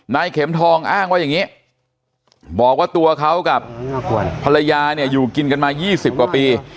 เข็มทองอ้างว่าอย่างนี้บอกว่าตัวเขากับภรรยาเนี่ยอยู่กินกันมา๒๐กว่าปี